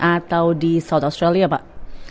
atau di south australia pak